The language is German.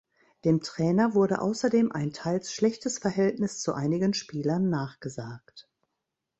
Dem Trainer wurde außerdem ein teils schlechtes Verhältnis zu einigen Spielern nachgesagt.